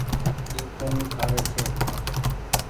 اي ڪونيٚ کآوي ڇي۔